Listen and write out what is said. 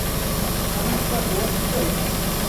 Há mais quatro olhos que dois.